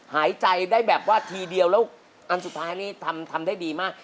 หายใจได้แบบว่าทีเดียวแล้วอันสุดท้ายนี่ทำได้ดีมาก